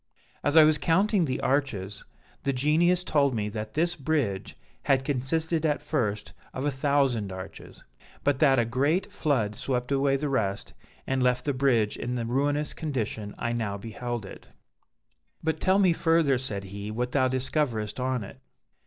As I was counting the arches, the Genius told me that this bridge had consisted at first of a thousand arches; but that a great flood swept away the rest and left the bridge in the ruinous condition I now beheld it. "'But tell me further,' said he, 'what thou discoverest on it.'